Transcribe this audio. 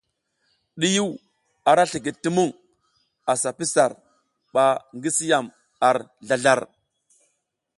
Ɗiyiw ara slikid ti muŋ, asa pi sar ba gi si yam ar zlazlar.